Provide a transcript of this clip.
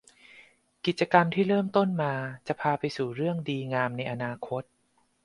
กิจกรรมที่เริ่มต้นมาจะพาไปสู่เรื่องดีงามในอนาคต